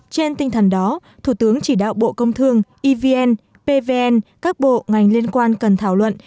trên tinh thần đó thủ tướng chỉ đạo bộ công thương evn pvn các bộ ngành liên quan cần thảo luận